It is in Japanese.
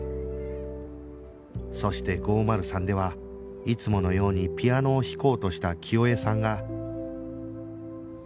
そして５０３ではいつものようにピアノを弾こうとした清江さんが